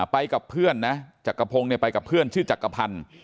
ไปกับเพื่อนนะจักรพงศ์เนี่ยไปกับเพื่อนชื่อจักรพันธ์